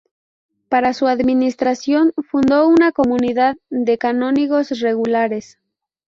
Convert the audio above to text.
Para su administración fundó una comunidad de canónigos regulares.